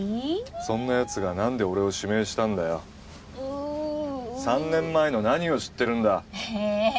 そんなやつが何で俺を指名したんだよう３年前の何を知ってるんだえ